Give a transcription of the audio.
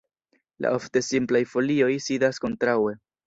La ofte simplaj folioj sidas kontraŭe.